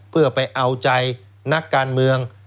เพื่อไปเอาใจนักการเมือง